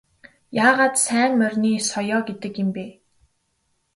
Яагаад сайн морины соёо гэдэг юм бэ?